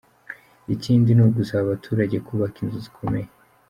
Ikindi ni ugusaba abaturage kubaka inzu zikomeye.